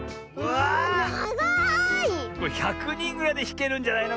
これ１００にんぐらいでひけるんじゃないの？